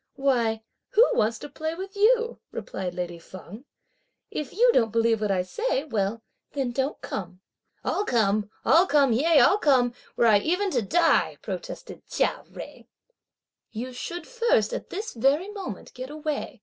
"Why, who wants to play with you?" replied lady Feng; "if you don't believe what I say, well then don't come!" "I'll come, I'll come, yea I'll come, were I even to die!" protested Chia Jui. "You should first at this very moment get away!"